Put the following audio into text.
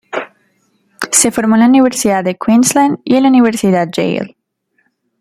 Se formó en la Universidad de Queensland y la Universidad Yale.